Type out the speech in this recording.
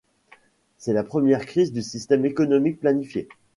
C'est la première crise du système économique planifié.